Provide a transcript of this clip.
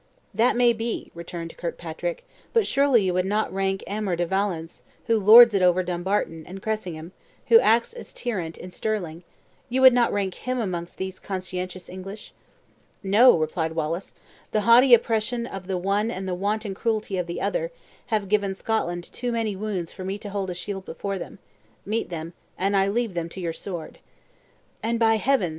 "That may be," returned Kirkpatrick; "but surely you would not rank Aymer de Valence, who lords it over Dumbarton, and Cressingham, who acts the tyrant in Stirling you would not rank them amongst these conscientious English?" "No," replied Wallace; "the haughty oppression of the one and the wanton cruelty of the other, have given Scotland too many wounds for me to hold a shield before them; meet them, and I leave them to your sword." "And by heavens!"